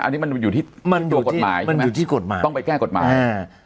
อันนี้มันอยู่ที่ตัวกฎหมายต้องไปแก้กฎหมาย